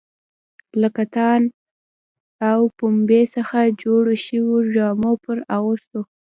له کتان او پنبې څخه جوړو شویو جامو پر اغوستو.